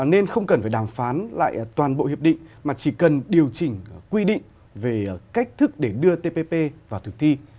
nên không cần phải đàm phán lại toàn bộ hiệp định mà chỉ cần điều chỉnh quy định về cách thức để đưa tpp vào thực thi